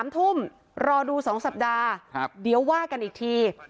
๓ทุ่มรอดู๒สัปดาห์เดี๋ยวว่ากันอีกที